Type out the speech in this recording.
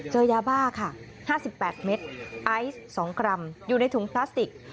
เจอยาบ้าค่ะ๕๘เม็ดไอซ์๒กรัมอยู่ในถุงพลาสติก